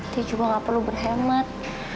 dia juga gak perlu berhemat